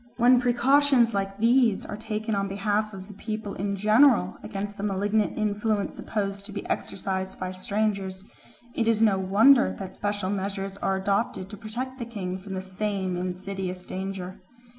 When precautions like these are taken on behalf of the people in general against the malignant influence supposed to be exercised by strangers, it is no wonder that special measures are adopted to protect the king from the same insidious danger.